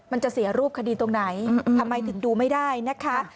มันจะเสียรูปคดีตรงไหนทำไมถึงดูไม่ได้นะคะ